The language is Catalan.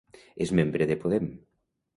És membre de Podem.